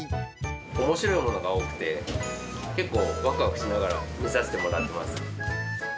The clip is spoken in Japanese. おもしろいものが多くて、結構わくわくしながら見させてもらってます。